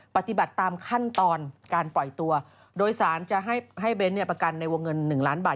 ปฏิบัติตามขั้นตอนการปล่อยตัวโดยสารจะให้เบ้นประกันในวงเงิน๑ล้านบาท